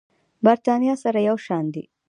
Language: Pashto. برېتانيا سره یو شان دي.